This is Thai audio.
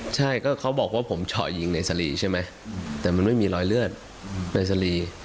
ใช่ก็เค้าบอกว่าผมช่อยยิงในซีรีย์ใช่ไหมแต่มันมีรอยเลือดในซีรีย์